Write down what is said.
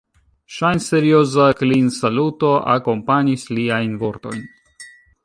Ŝajnserioza klinsaluto akompanis liajn vortojn.